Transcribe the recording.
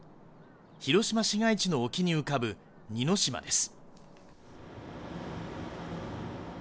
広島市街地の沖に浮かぶ似島です。